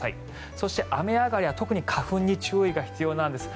そして、雨上がりは特に花粉に注意が必要なんです。